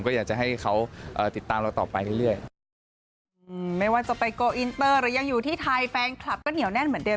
ก็อยากจะให้เขาติดตามเราต่อไปเรื่อย